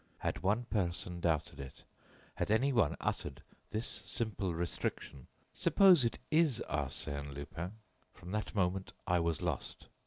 Had one person doubted it, had any one uttered this simple restriction: Suppose it is Arsène Lupin? from that moment, I was lost.